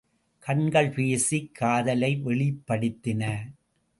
கண்கள் பேசிக் காதலை வெளிப்படுத்தின.